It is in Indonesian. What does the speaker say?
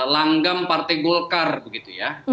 langgam partai golkar begitu ya